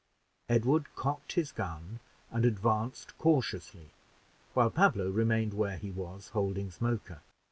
Edward cocked his gun and advanced cautiously, while Pablo remained where he was, holding Smoker.